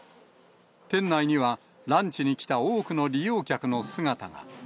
店内には、ランチに来た多くの利用客の姿が。